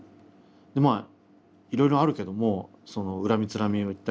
でまあいろいろあるけどもその恨みつらみを言ったりとか。